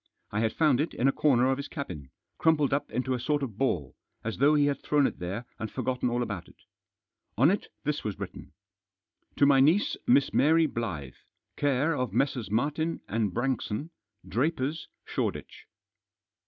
I had found it in a corner of his cabin, crumpled up into a sort of ball, as though he had thrown it there and forgotten all about it On it this was written :" To my niece, Miss Mary Blyth, care of Messrs. Martin and Branxon, Drapers, Shoreditch."